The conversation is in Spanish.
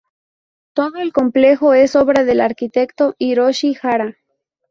Todo el complejo es obra del arquitecto Hiroshi Hara.